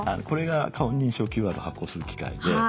これが顔認証ＱＲ発行する機械で。